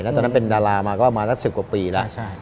ตอนนั้นเป็นดารามาก็มาสัก๑๐กว่าปีแล้ว